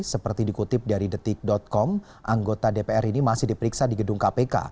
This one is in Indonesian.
seperti dikutip dari detik com anggota dpr ini masih diperiksa di gedung kpk